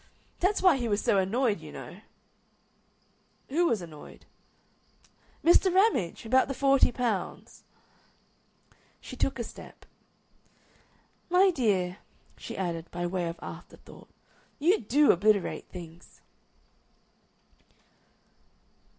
That's why he was so annoyed, you know." "Who was annoyed?" "Mr. Ramage about the forty pounds." She took a step. "My dear," she added, by way of afterthought, "you DO obliterate things!"